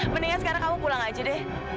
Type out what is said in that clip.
mendingan sekarang kamu pulang aja deh